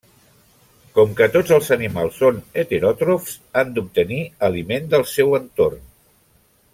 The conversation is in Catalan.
Com que tots els animals són heteròtrofs, han d'obtenir aliment del seu entorn.